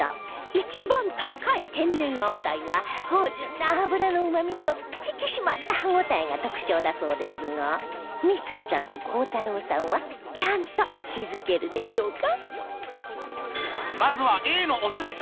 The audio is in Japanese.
一番高い天然アマダイは芳醇な脂のうまみと引き締まった歯応えが特徴だそうですが充希ちゃんと鋼太郎さんはちゃんと気付けるでしょうか？